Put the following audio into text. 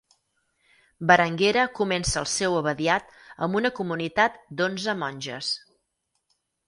Berenguera comença el seu abadiat amb una comunitat d'onze monges.